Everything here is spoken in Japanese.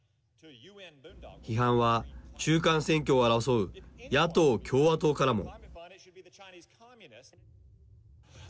批判は中間選挙を争う野党・共和党からも。